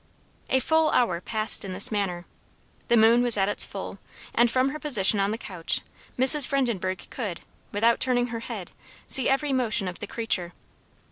A full hour passed in this manner. The moon was at its full, and from her position on the couch, Mrs. Vredenbergh could, without turning her head, see every motion of the creature.